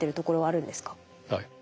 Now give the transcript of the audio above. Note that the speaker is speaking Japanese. はい。